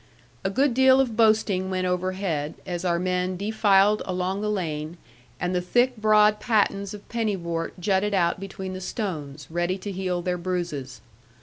A good deal of boasting went overhead, as our men defiled along the lane; and the thick broad patins of pennywort jutted out between the stones, ready to heal their bruises.